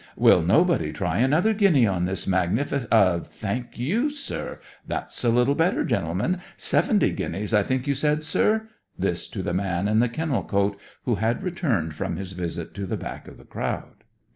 Will nobody try another guinea on this magnifi Thank you, sir! That's a little better, gentlemen. Seventy guineas I think you said, sir?" this to the man in the kennel coat, who had returned from his visit to the back of the crowd.